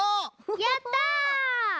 やった！